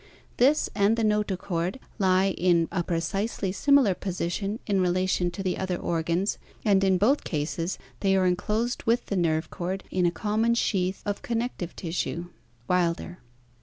This and the notochord lie in a precisely similar position in relation to the other organs, and in both cases they are enclosed with the nerve cord in a common sheath of con nective tissue" (Wilder).